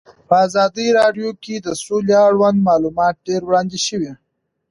په ازادي راډیو کې د سوله اړوند معلومات ډېر وړاندې شوي.